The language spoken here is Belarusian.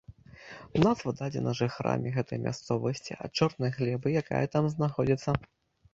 Назва дадзена жыхарамі гэтай мясцовасці ад чорнай глебы, якая там знаходзіцца.